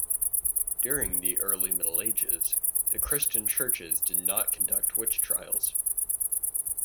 During the Early Middle Ages, the Christian Churches did not conduct witch trials.